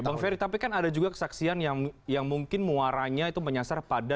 bang ferry tapi kan ada juga kesaksian yang mungkin muaranya itu menyasar pada